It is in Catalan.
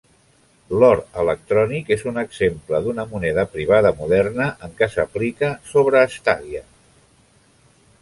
L'or electrònic és un exemple d'una moneda privada moderna en què s'aplica sobreestadia.